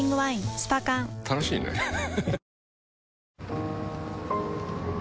スパ缶楽しいねハハハえ